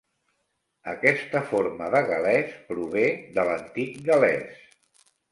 Aquesta forma de gal·lès prové de l'antic gal·lès.